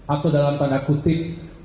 atau dalam tanda kutip